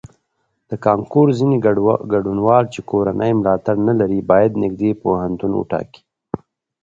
د کانکور ځینې ګډونوال چې کورنی ملاتړ نه لري باید نږدې پوهنتون وټاکي.